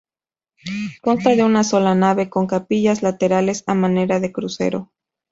Consta de una sola nave con capillas laterales a manera de crucero.